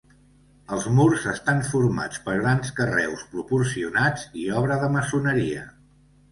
Els murs estan formats per grans carreus proporcionats i obra de maçoneria.